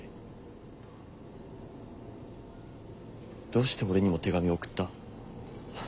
どうして俺にも手紙を送った？